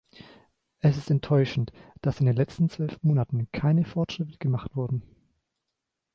Es ist enttäuschend, dass in den letzten zwölf Monaten keine Fortschritte gemacht wurden.